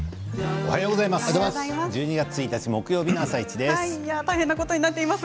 おはようございます。